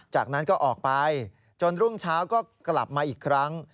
จากนั้นก็ออกไปจนรุ่งเช้าก็กลับมาอีกครั้ง